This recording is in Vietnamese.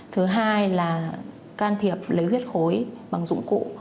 thứ hai là can thiệp lấy huyết khối bằng dụng cụ